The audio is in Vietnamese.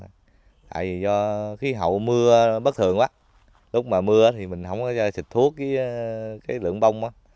tại vì do khí hậu mưa bất thường quá lúc mà mưa thì mình không có xịt thuốc với cái lượng bông